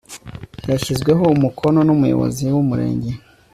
yashyizweho umukono numuyobozi wumurenge